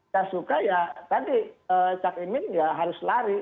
gak suka ya tadi cak imin ya harus lari